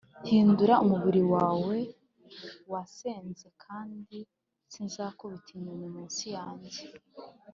hindura umubiri wawe wasenze, kandi sinzakubita inyoni munsi yanjye: